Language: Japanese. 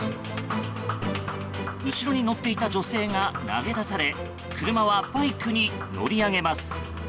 後ろに乗っていた女性が投げ出され車はバイクに乗り上げます。